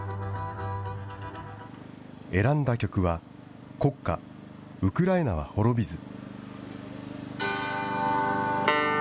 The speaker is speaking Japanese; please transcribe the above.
選んだ曲は国歌、ウクライナは滅びず。